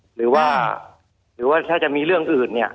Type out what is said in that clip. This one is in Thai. หรือว่าถ้าจะมีเรื่องอื่น